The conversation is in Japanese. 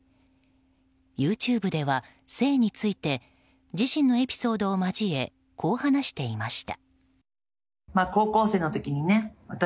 ＹｏｕＴｕｂｅでは性について自身のエピソードを交えこう話していました。